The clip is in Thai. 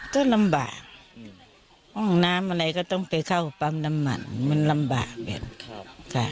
ก็ลำบากห้องน้ำอะไรก็ต้องไปเข้าปั๊มน้ำมันมันลำบากเหมือนกัน